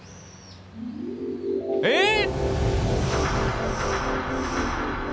えっ！